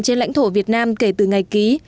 trên lãnh thổ việt nam kể từ ngày ký